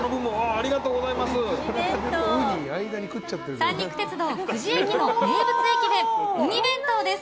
三陸鉄道、久慈駅の名物駅弁うに弁当です。